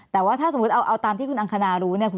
แต่ว่าถ้าสมมุติเอาตามที่คุณอังคณารู้เนี่ย